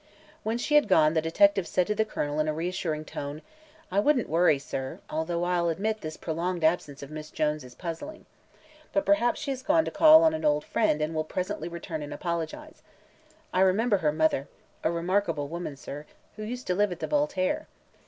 When she had gone the detective said to the Colonel in a reassuring tone: "I wouldn't worry, sir, although I'll admit this prolonged absence of Miss Jones is puzzling. But perhaps she has gone to call on an old friend and will presently return and apologize. I remember her mother a remarkable woman, sir who used to live at the Voltaire.